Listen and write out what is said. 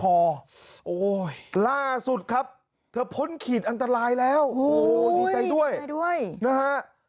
โอ้โหล่าสุดครับเธอพ้นขีดอันตรายแล้วโอ้โหดีใจด้วยดีด้วยนะฮะ